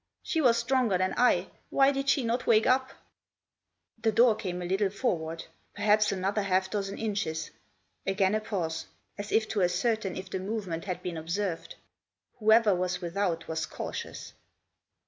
She was stronger than I. Why did she not wake up ? The door came a little forward ; perhaps another half dozen inches. Again a pause ; as if to ascertain if the movement had been observed. Whoever was without was cautious.